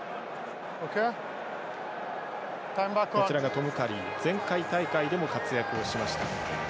トム・カリー前回大会でも活躍しました。